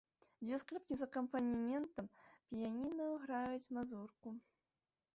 Дзве скрыпкі з акампанементам піяніна граюць мазурку.